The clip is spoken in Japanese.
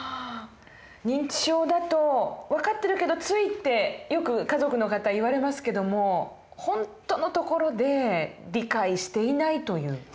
認知症だと分かってるけどついってよく家族の方言われますけども本当のところで理解していないという。